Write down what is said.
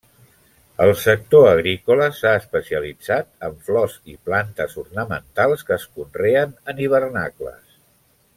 El sector agrícola s'ha especialitzat en flors i plantes ornamentals que es conreen en hivernacles.